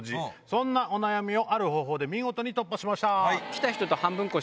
そんなお悩みをある方法で見事に突破しました。